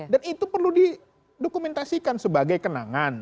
dan itu perlu didokumentasikan sebagai kenangan